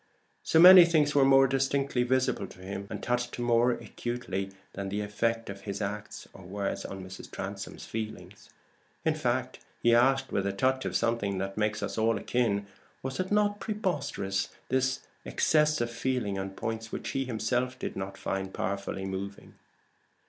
So many things were more distinctly visible to him, and touched him more acutely, than the effect of his acts or words on Mrs. Transome's feelings! In fact he asked, with a touch of something that makes us all akin was it not preposterous, this excess of feeling on points which he himself did not find powerfully moving?